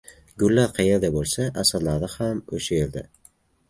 • Gullar qayerda bo‘lsa, asalari ham o‘sha yerda.